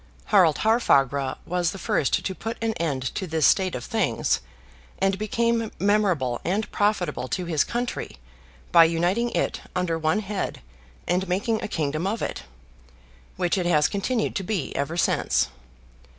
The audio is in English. Harald Haarfagr was the first to put an end to this state of things, and become memorable and profitable to his country by uniting it under one head and making a kingdom of it; which it has continued to be ever since.